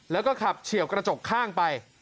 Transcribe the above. แล้วก็ขับเฉียวกระจกข้างไป